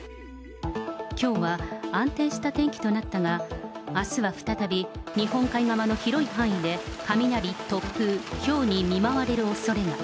きょうは安定した天気となったが、あすは再び日本海側の広い範囲で、雷、突風、ひょうに見舞われるおそれが。